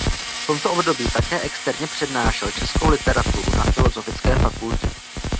V tomto období také externě přednášel českou literaturu na filosofické fakultě.